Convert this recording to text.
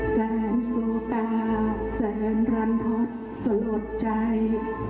แสนโสกาแสนรันทธสะลดใจ